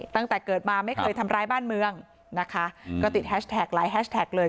ตั้งแต่เกิดมาไม่เคยทำร้ายบ้านเมืองนะคะก็ติดแฮชแท็กหลายแฮชแท็กเลย